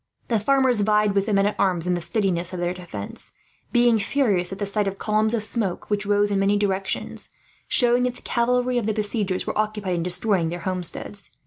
The farmers vied with the men at arms in the steadiness of the defence, being furious at the sight of columns of smoke which rose in many directions, showing that the cavalry of the besiegers were occupied in destroying their homesteads.